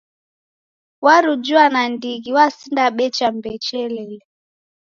Warujuya nandighi wasinda becha mbechelele.